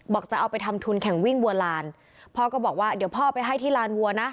จะเอาไปทำทุนแข่งวิ่งบัวลานพ่อก็บอกว่าเดี๋ยวพ่อไปให้ที่ลานวัวนะ